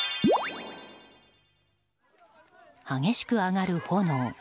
激しく上がる炎。